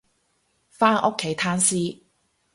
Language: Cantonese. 返屋企攤屍